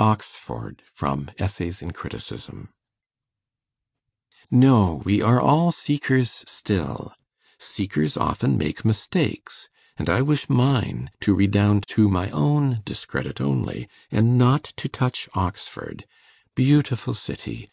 OXFORD From 'Essays in Criticism' No, we are all seekers still! seekers often make mistakes, and I wish mine to redound to my own discredit only, and not to touch Oxford. Beautiful city!